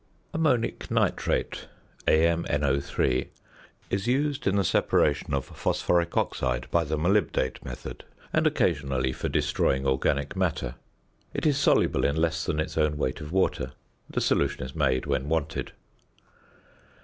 ~Ammonic Nitrate~ (AmNO_) is used in the separation of phosphoric oxide by the molybdate method, and occasionally for destroying organic matter. It is soluble in less than its own weight of water. The solution is made when wanted.